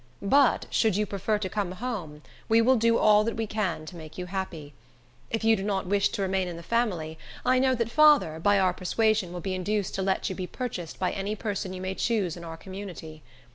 But should you prefer to come home, we will do all that we can to make you happy. If you do not wish to remain in the family, I know that father, by our persuasion, will be induced to let you be purchased by any person you may choose in our community.